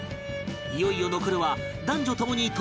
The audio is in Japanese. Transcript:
いよいよ残るは男女ともにトップ３